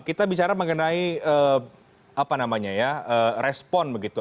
kita bicara mengenai apa namanya ya respon begitu